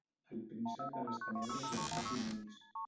El príncep de les tenebres i els seus dimonis.